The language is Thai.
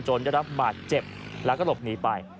ได้รับบาดเจ็บแล้วก็หลบหนีไป